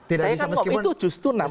saya kan ngomong itu justru namanya itu